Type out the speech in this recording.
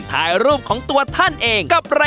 ถ่ายรูปของตัวท่านเอง